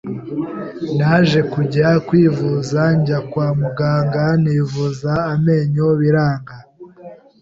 naje kujya kwivuza njya kwa muganga nivuza amenyo biranga,